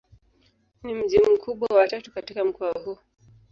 Ni mji mkubwa wa tatu katika mkoa huu.